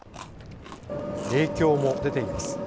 影響も出ています。